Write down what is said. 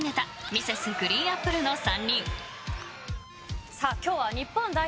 ＭｒｓＧＲＥＥＮＡＰＰＬＥです。